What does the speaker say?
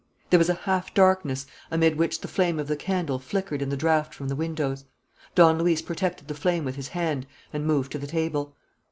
There was a half darkness, amid which the flame of the candle flickered in the draught from the windows. Don Luis protected the flame with his hand and moved to the table.